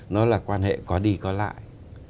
nó là quan hệ có đi có lại